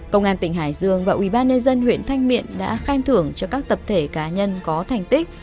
công an tỉnh hải dương và ubnd huyện thanh miện đã khen thưởng cho các tập thể cá nhân có thành tích